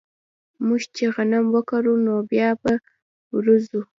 موږ چې غنم وکرو نو بيا به ورځو